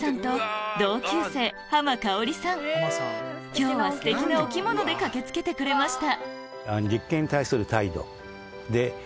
今日はステキなお着物で駆け付けてくれました